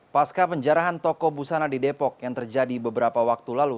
pasca penjarahan toko busana di depok yang terjadi beberapa waktu lalu